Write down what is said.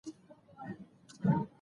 انګریزي پوځونه پر دښته پراته وو.